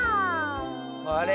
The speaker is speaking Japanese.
あれ？